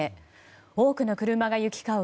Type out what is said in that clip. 多くの車が行き交う